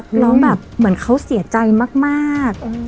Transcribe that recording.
เออพี่แจ๊กเราแบบเหมือนเขาเสียใจมาก